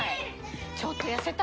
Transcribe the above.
ちょっと痩せた？